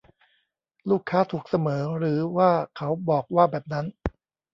ลูกค้าถูกเสมอ หรือว่าเขาบอกว่าแบบนั้น